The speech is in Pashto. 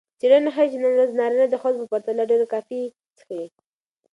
څیړنې ښيي چې نن ورځ نارینه د ښځو په پرتله ډېره کافي څښي.